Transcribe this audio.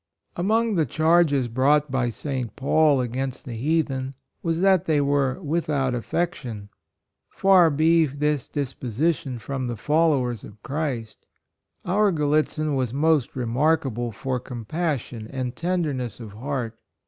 MOJSTGr the charges brought by St. Paul against the heathen was, that they were " without affection." Far be this disposition from the followers of Christ. Our Gallitzin was most remarkable for compassion and ten derness of heart.